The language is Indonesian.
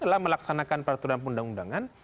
adalah melaksanakan peraturan undang undangan